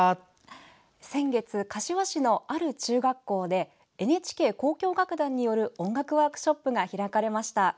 先月、柏市のある中学校でＮＨＫ交響楽団による音楽ワークショップが開かれました。